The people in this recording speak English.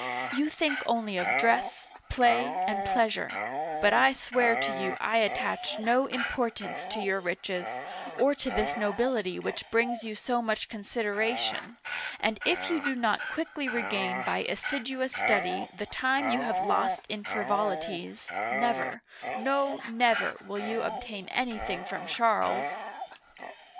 You think only of dress, play, and pleasure ; but I swear to you I attach no importance to your riches, or to this nobility which brings you so much consideration, and if you do not quickly regain by assiduous study the time you have lost in frivolities, never, no, never, will you obtain anything from Charles